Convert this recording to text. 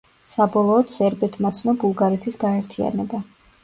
საბოლოოდ სერბეთმა ცნო ბულგარეთის გაერთიანება.